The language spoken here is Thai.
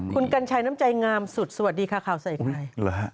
คุณกัญชัยน้ำใจงามสุดสวัสดีค่ะข่าวใส่ไข่